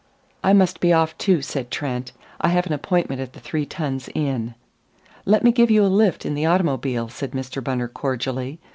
"I must be off, too," said Trent. "I have an appointment at the Three Tuns inn." "Let me give you a lift in the automobile," said Mr. Bunner cordially.